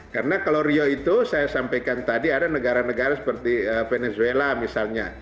karena kalau rio itu saya sampaikan tadi ada negara negara seperti venezuela misalnya